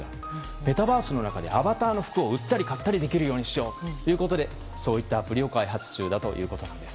メタバースの中でアバターの服を買ったり売ったりできるようにしようということでそういったアプリを開発中だということです。